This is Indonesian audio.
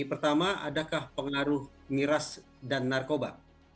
pertama adakah pengaruh miras dan narkoba